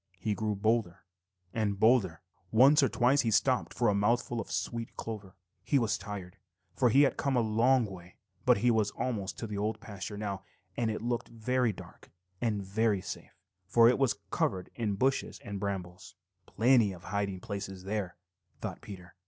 He grew bolder and bolder. Once or twice he stopped for a mouthful of sweet clover. He was tired, for he had come a long way, but he was almost to the Old Pasture now, and it looked very dark and safe, for it was covered with bushes and brambles. "Plenty of hiding places there," thought Peter.